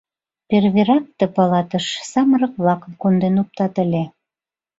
Перверак ты палатыш самырык-влакым конден оптат ыле.